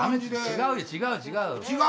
違う違う違う。